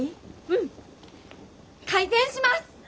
うん！開店します！